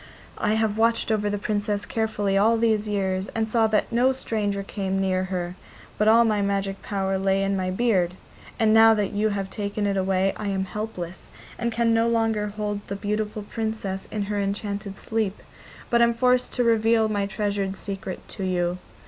I have watched over the Princess carefully all these years and saw that no stranger came near her, but all my magic power lay in my beard, and now that you have taken it away I am helpless, and can no longer hold the beautiful Princess in her enchanted sleep, but am forced to reveal my treasured secret to you.